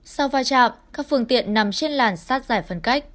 sau vai trạm các phương tiện nằm trên làn sát giải phân cách